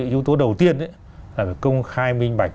yếu tố đầu tiên là phải công khai minh bạch